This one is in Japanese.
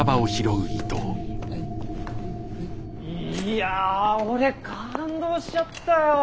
いや俺感動しちゃったよ。